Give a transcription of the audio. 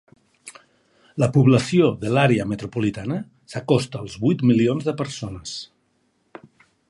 La població de l'àrea metropolitana s'acosta als vuit milions de persones.